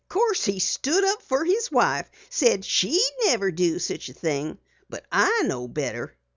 "'Course he stood up fer his wife said she'd never do such a thing. But I know better!"